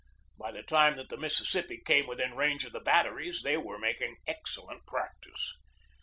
By the time that the Mississippi came within range of the batteries they were making excellent practice.